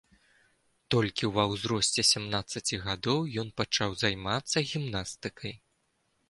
Толькі ва ўзросце сямнаццаці гадоў ён пачаў займацца гімнастыкай.